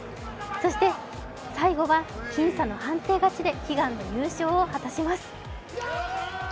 そして最後は僅差の判定勝ちで悲願の優勝を果たします。